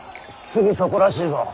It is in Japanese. すぐそこらしいぞ。